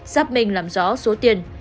xác minh làm rõ số tiền